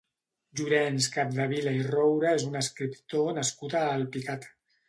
Llorenç Capdevila i Roure és un escriptor nascut a Alpicat.